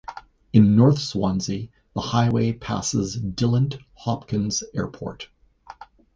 In North Swanzey, the highway passes Dillant-Hopkins Airport.